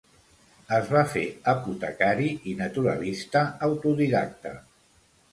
Es va fer apotecari i naturalista autodidacta.